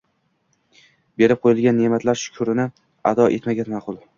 berib qo‘yilgan neʼmatlar shukrini ado etgan maʼqul.